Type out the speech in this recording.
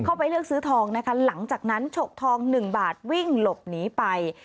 เข้าไปเลือกซื้อทองนะคะหลังจากนั้นฉกทองหนึ่งบาทวิ่งหลบหนีไป